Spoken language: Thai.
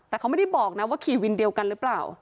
แต่เขาไม่ได้บอกนะว่าขี่วินเดียวกันหรือเปล่า